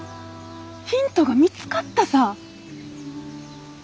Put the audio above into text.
ヒントが見つかったさ。